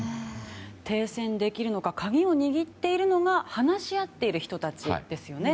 停戦できるのか鍵を握っているのが話し合っている人たちですよね。